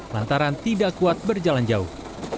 lantaran tidak kuat berjalan jauh